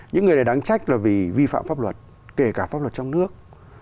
những người này đáng trách là vì vi phạm pháp luật kể cả pháp luật trong nước